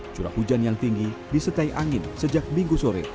curah hujan yang tinggi disertai angin sejak minggu sore